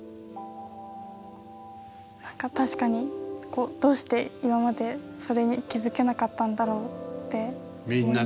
何か確かにどうして今までそれに気付けなかったんだろうって思いました。